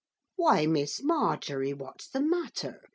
'Why, Miss Marjorie, what's the matter!